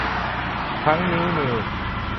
ทั้งนิ้วมือ